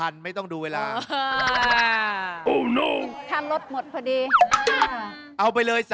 ได้แล้ว